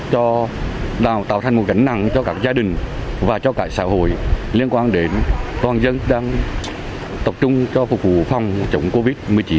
cho đào tạo thành một gánh nặng cho các gia đình và cho cả xã hội liên quan đến toàn dân đang tập trung cho phục vụ phòng chống covid một mươi chín